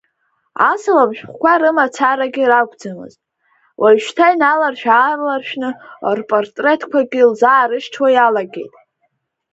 Асалам шәҟәқәа рымацарагьы ракәӡамызт, уажәшьҭа иналаршә-ааларшә рпатреҭқәагьы лзаарышьҭуа иалагеит.